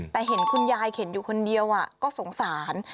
แต่เห็นคุณยายเข็นอยู่คนเดียวก็สงสาร